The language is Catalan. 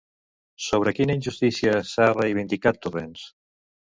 Sobre quina injustícia s'ha reivindicat, Torrents?